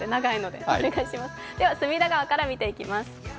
では隅田川から見ていきます。